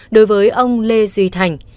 đối với ông lê duy thành